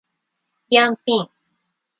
りゃんぴん